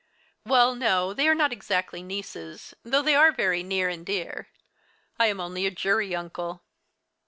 "Well, no, they are not exactly nieces, though they are very near and dear. I am only a jury uncle."